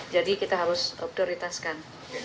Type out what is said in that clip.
jadi kita harus prioritaskan